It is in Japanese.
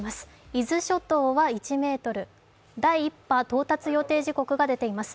伊豆諸島は１ｍ、第１波到達予定時刻が出ています。